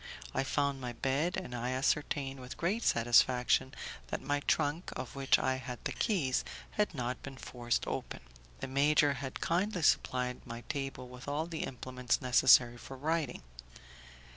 I found my bed, and I ascertained with great satisfaction that my trunk, of which I had the keys, had not been forced open. The major had kindly supplied my table with all the implements necessary for writing.